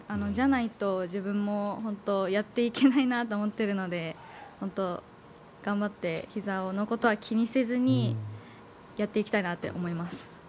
じゃないと、自分もやっていけないなと思ってるので頑張ってひざのことは気にせずにやっていきたいなと思います。